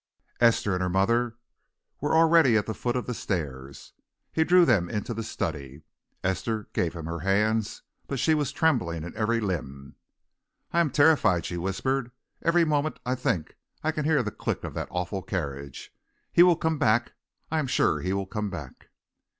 Esther and her mother were already at the foot of the stairs. He drew them into the study. Esther gave him her hands, but she was trembling in every limb. "I am terrified!" she whispered. "Every moment I think I can hear the click of that awful carriage. He will come back; I am sure he will come back!"